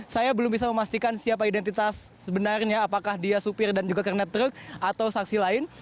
saya belum bisa memastikan siapa identitas sebenarnya apakah dia supir dan juga kernet truk atau saksi lain